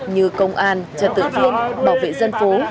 như công an trật tự huyện bảo vệ dân phố